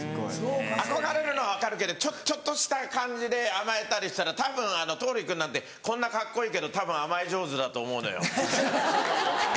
憧れるのは分かるけどちょっとした感じで甘えたりしたら桃李君なんてこんなカッコいいけどたぶん甘え上手だと思うのよ。